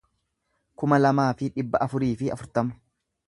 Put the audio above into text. kuma lamaa fi dhibba afurii fi afurtama